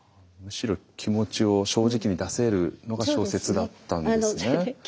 むしろ気持ちを正直に出せるのが小説だったんですね。